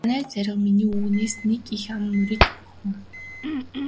Манай дарга ч миний үгнээс нэг их ам мурийдаггүй хүн.